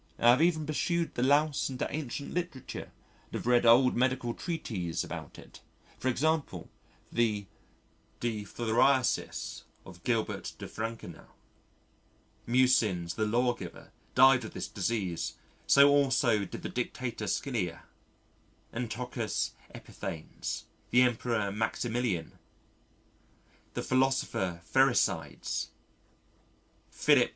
I have even pursued the Louse into ancient literature and have read old medical treatises about it, as, for example, the De Phthiriasi of Gilbert de Frankenau. Mucius the lawgiver died of this disease so also did the Dictator Scylla, Antiochus Epiphanes, the Emperor Maximilian, the philosopher Pherecydes, Philip II.